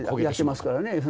焼けますからね。